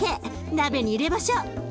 鍋に入れましょう。